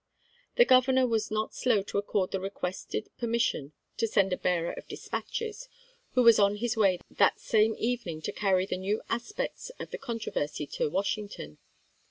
The Governor was not slow to accord the requested permission to send a bearer of dispatches, who was on his way that same evening to carry the new aspects of the controversy to Washington.